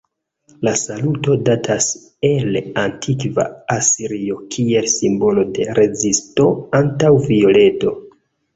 La saluto datas el antikva Asirio kiel simbolo de rezisto antaŭ violento.